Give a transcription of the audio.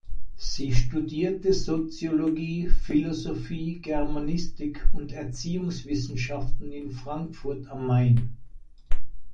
Sie studierte Soziologie, Philosophie, Germanistik und Erziehungswissenschaften in Frankfurt am Main.